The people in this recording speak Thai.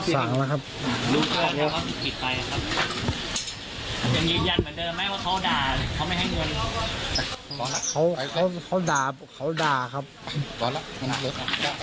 สั่งแล้วครับครับจะมียันเหมือนเดิมไม่ว่าเขาด่าเขาไม่ให้มันเขาเขาด่าเขาด่าครับ